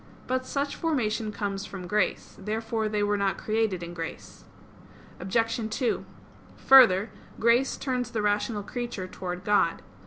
But such formation comes from grace. Therefore they were not created in grace. Obj. 2: Further, grace turns the rational creature towards God.